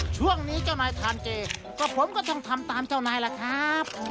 ช่วงนี้เจ้านายทานเจก็ผมก็ต้องทำตามเจ้านายล่ะครับ